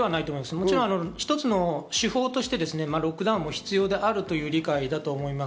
もちろん一つの手法としてロックダウンも必要であるという理解だと思います。